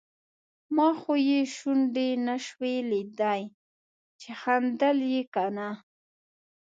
ما خو یې شونډې نشوای لیدای چې خندل یې که نه.